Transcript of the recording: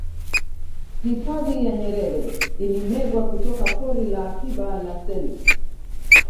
hifadhi ya nyerere ilimegwa kutoka pori la akiba la selous